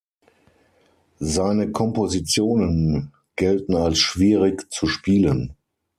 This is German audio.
Seine Kompositionen gelten als schwierig zu spielen.